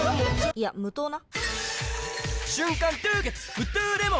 いや無糖な！